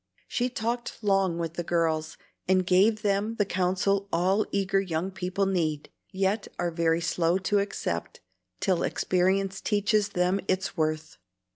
She talked long with the girls, and gave them the counsel all eager young people need, yet are very slow to accept till experience teaches them its worth.